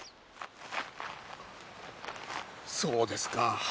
そうですか。